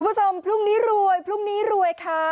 คุณผู้ชมพรุ่งนี้รวยพรุ่งนี้รวยค่ะ